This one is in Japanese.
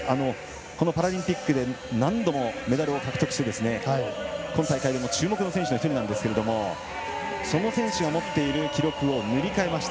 このパラリンピックで何度もメダルを獲得して今大会でも注目の選手の１人なんですけどその選手の持っている記録を塗り替えました。